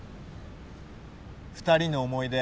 ２人の思い出